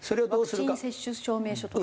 ワクチン接種証明書とか？